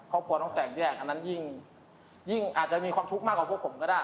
ครอบครัวต้องแตกแยกอันนั้นยิ่งอาจจะมีความทุกข์มากกว่าพวกผมก็ได้